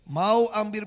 mau ambil program